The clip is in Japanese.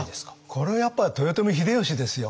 これはやっぱり豊臣秀吉ですよ。